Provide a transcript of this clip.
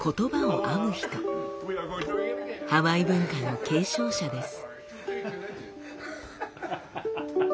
ハワイ文化の継承者です。